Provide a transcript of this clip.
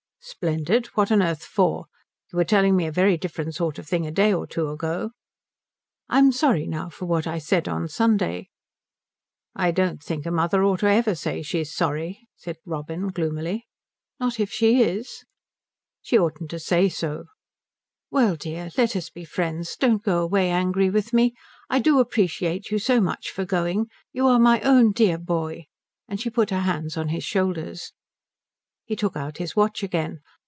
"Splendid? What on earth for? You were telling me a very different sort of thing a day or two ago." "I am sorry now for what I said on Sunday." "I don't think a mother ought ever to say she's sorry," said Robin gloomily. "Not if she is?" "She oughtn't to say so." "Well dear let us be friends. Don't go away angry with me. I do appreciate you so much for going. You are my own dear boy." And she put her hands on his shoulders. He took out his watch again.